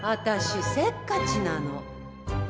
私せっかちなの。